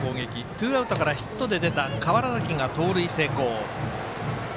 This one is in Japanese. ツーアウトからヒットで出た川原崎が盗塁成功。